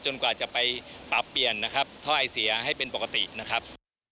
กว่าจะไปปรับเปลี่ยนนะครับท่อไอเสียให้เป็นปกตินะครับ